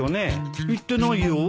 行ってないよ。